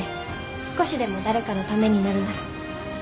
少しでも誰かのためになるなら。